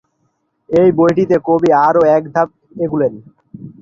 এই বইটিতে কবি আরও এক ধাপ এগুলেন।